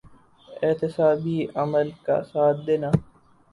احتسابی عمل کا ساتھ دینا۔